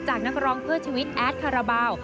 นักร้องเพื่อชีวิตแอดคาราบาล